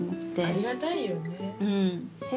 ありがたいよね。